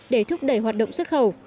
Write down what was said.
để thúc đẩy hoạt động xuất khẩu